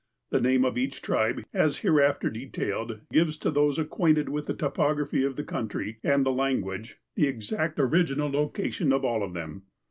The name of each tribe, as hereafter detailed, gives to those acquainted with the topography of the country, and the language, the exact original location of all of them.